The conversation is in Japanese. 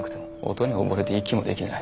音に溺れて息もできない。